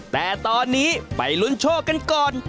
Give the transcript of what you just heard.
แต่ตอนนี้ไปลุ้นโชคกันก่อน